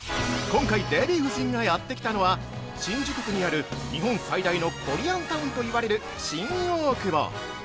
◆今回、デヴィ夫人がやってきたのは、新宿区にある日本最大のコリアンタウンといわれる新大久保。